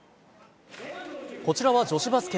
こちらは女子バスケ。